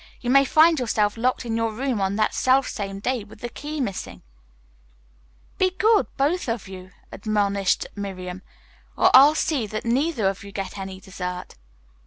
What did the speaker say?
"You may find yourself locked in your room on that self same day with the key missing." "Be good, both of you," admonished Miriam, "or I'll see that neither of you get any dessert."